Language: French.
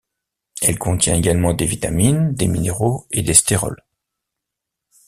Elle contient également des vitamines, des minéraux et des stérols.